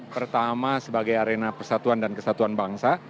pertama sebagai arena persatuan dan kesatuan bangsa